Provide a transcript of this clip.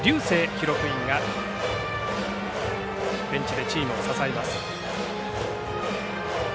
記録員がベンチでチームを支えます。